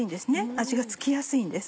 味が付きやすいんです。